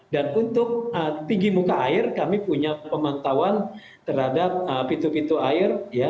dan untuk tinggi muka air kami punya pemantauan terhadap pintu pintu air